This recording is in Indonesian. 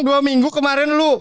dua minggu kemarin lu